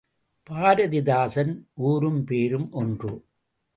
பாரதிதாசன் ஊரும் பேரும் ஒன்று.